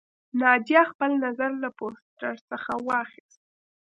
ناجیه خپل نظر له پوسټر څخه واخیست